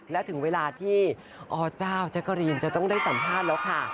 และถึงเวลาที่อเจ้าแจ๊กกะรีนจะต้องได้สัมภาษณ์แล้วค่ะ